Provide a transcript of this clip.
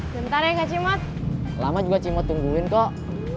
bentar ya nggak cemot lama juga cemot tungguin kok